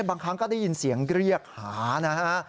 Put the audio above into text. บางครั้งก็ได้ยินเสียงเรียกหานะฮะ